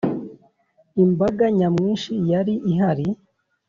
imbaga nyamwinshi yari ihari